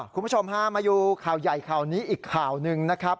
คุณผู้ชมฮะมาดูข่าวใหญ่ข่าวนี้อีกข่าวหนึ่งนะครับ